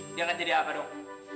dia akan jadi apa dong